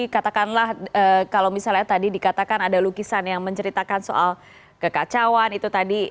katakanlah kalau misalnya tadi dikatakan ada lukisan yang menceritakan soal kekacauan itu tadi